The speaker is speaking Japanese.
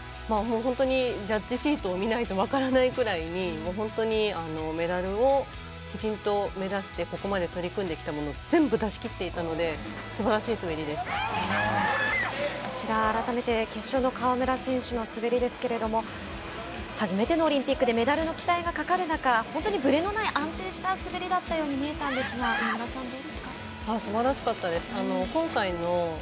本当にジャッジシートを見ないと分からないくらいに本当にメダルを目指して目指してここまで取り組んできたもの全部出し切っていたのでこちら改めて決勝の川村選手の滑りですけれども初めてのオリンピックでメダルの期待がかかる中本当にぶれのない安定した滑りだったように見えたんですがすばらしかったです。